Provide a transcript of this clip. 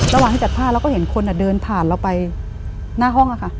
ระหว่างที่จัดผ้าเราก็เห็นคนเดินผ่านเราไปหน้าห้องค่ะ